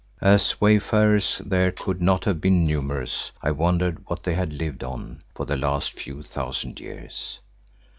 As wayfarers there could not have been numerous, I wondered what they had lived on for the last few thousand years.